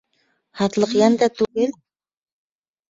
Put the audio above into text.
Һатлыҡ йән дә түгел?